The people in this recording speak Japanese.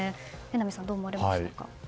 榎並さん、どう思われましたか。